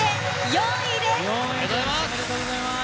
４位です、おめでとうございます。